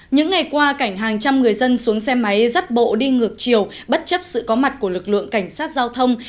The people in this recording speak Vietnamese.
những ngày qua cảnh hàng trăm người dân xuống xe máy rắt bộ đi ngược chiều bất chấp sự có mặt của lực lượng cảnh sát giao thông